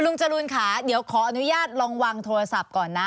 จรูนค่ะเดี๋ยวขออนุญาตลองวางโทรศัพท์ก่อนนะ